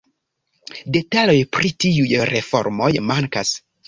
Detaloj pri tiuj reformoj mankas.